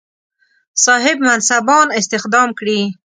صاحب منصبان استخدام کړي.